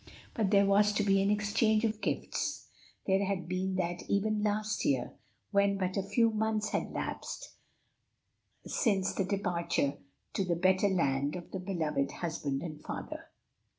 But there was to be an exchange of gifts; there had been that even last year when but a few months had elapsed since the departure to the better land of the beloved husband and father.